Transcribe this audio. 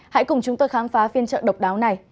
hãy cùng chúng tôi khám phá phiên chợ độc đáo này